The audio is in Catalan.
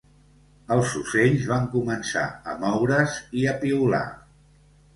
Els ocells van començar a moure's i a piular.